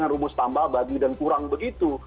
rumus tambah abadi dan kurang begitu